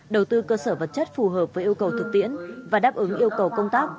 đầu tư cơ sở vật chất phù hợp với yêu cầu thực tiễn và đáp ứng yêu cầu công tác